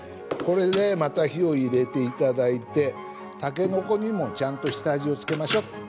ここに火を入れていただいてたけのこにも、ちゃんと下味を付けましょう。